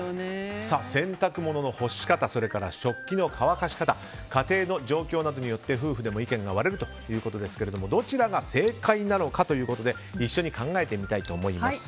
洗濯物の干し方食器の乾かし方家庭の状況などによって夫婦でも意見が割れるということですがどちらが正解なのかということで一緒に考えてみたいと思います。